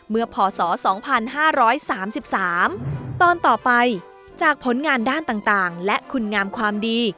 พศ๒๕๓๓ตอนต่อไปจากผลงานด้านต่างและคุณงามความดี